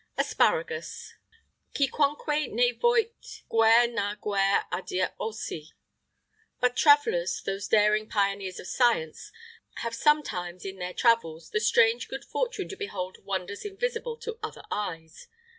[IX 45] ASPARAGUS. "Quiconque ne voit guère n'a guère à dire aussi."[IX 46] But travellers, those daring pioneers of science, have sometimes, in their travels, the strange good fortune to behold wonders invisible to other eyes.